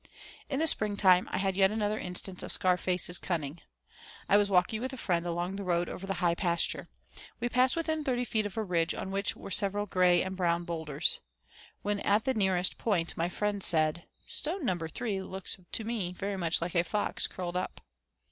In the springtime I had yet another instance of Scarface's cunning. I was walking with a friend along the road over the high pasture. We passed within thirty feet of a ridge on which were several gray and brown boulders. When at the nearest point my friend said: "Stone number three looks to me very much like a fox curled up."